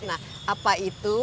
nah apa itu